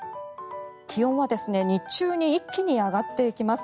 気温は日中に一気に上がっていきます。